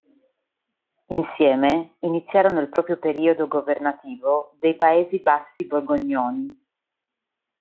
Insieme iniziarono il proprio periodo governativo dei Paesi Bassi borgognoni.